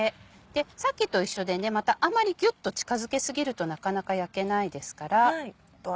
さっきと一緒でまたあんまりギュっと近づけ過ぎるとなかなか焼けないですから。